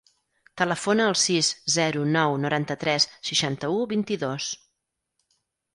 Telefona al sis, zero, nou, noranta-tres, seixanta-u, vint-i-dos.